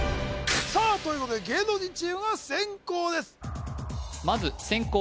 さあということで芸能人チームが先攻ですまず先攻